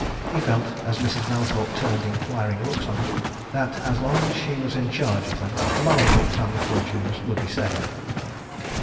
He felt, as Mrs. Mallathorpe turned inquiring looks on him, that as long as she was in charge of them the Mallathorpe family fortunes would be safe.